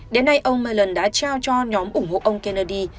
đến nay ông miland đã trao cho nhóm ủng hộ ông kennedy